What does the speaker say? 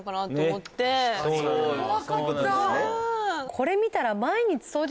これ見たら。